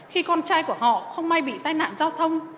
khi con trai của họ không may bị tai nạn giao thông